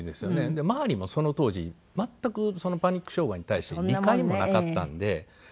で周りもその当時全くパニック障害に対して理解もなかったんで。